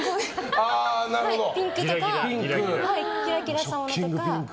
ピンクとかキラキラしたものとか。